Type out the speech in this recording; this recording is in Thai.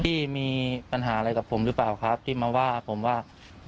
พี่มีปัญหาอะไรกับผมหรือเปล่าครับที่มาว่าผมว่า